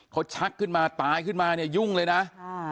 เขาชักขึ้นมาตายขึ้นมาเนี่ยยุ่งเลยนะ